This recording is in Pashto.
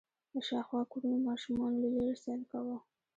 د شاوخوا کورونو ماشومانو له لېرې سيل کوه.